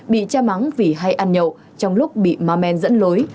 bị cha mắng vì hay ăn nhậu trong lúc bị ma men dẫn lối